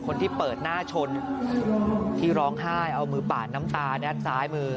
คนที่เปิดหน้าชนที่ร้องไห้เอามือปาดน้ำตาด้านซ้ายมือ